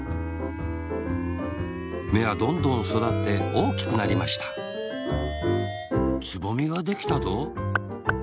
めはどんどんそだっておおきくなりましたつぼみができたぞ。